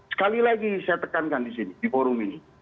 sekali lagi saya tekankan di sini di forum ini